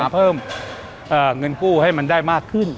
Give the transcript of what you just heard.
เพิ่มเงินกู้ให้มันได้มากขึ้น